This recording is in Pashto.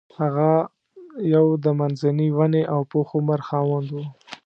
هغه یو د منځني ونې او پوخ عمر خاوند و.